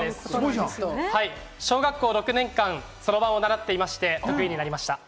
小学校６年間、そろばんを習っていまして得意になりました。